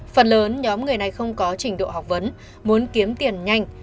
phần lớn nhóm người này không có trình độ học vấn muốn kiếm tiền nhanh